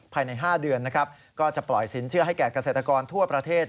ภายใน๕เดือนนะครับก็จะปล่อยสินเชื่อให้แก่เกษตรกรทั่วประเทศ